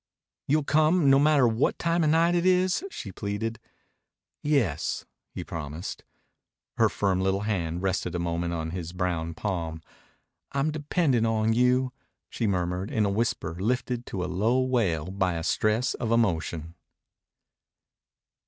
"You'll come, no matter what time o' night it is," she pleaded. "Yes," he promised. Her firm little hand rested a moment in his brown palm. "I'm depending on you," she murmured in a whisper lifted to a low wail by a stress of emotion.